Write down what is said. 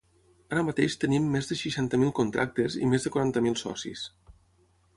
Ara mateix tenim més de seixanta mil contractes i més de quaranta mil socis.